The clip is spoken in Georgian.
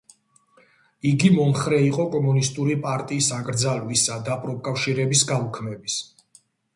იგი მომხრე იყო კომუნისტური პარტიის აკრძალვისა და პროფკავშირების გაუქმების.